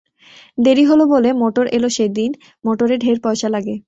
দেরি হল বলে মটর এল সেদিন, মটরে ঢের পয়সা লাগে।